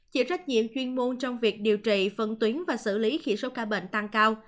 chịu trách nhiệm chuyên môn trong việc điều trị phân tuyến và xử lý khi số ca bệnh tăng cao